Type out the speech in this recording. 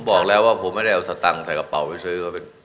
บอกแล้วว่าผมไม่ได้เอาสตังค์ใส่กระเป๋าไปซื้อก็เป็น